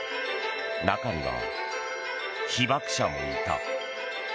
中には、被爆者もいた。